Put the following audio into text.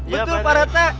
betul pak rt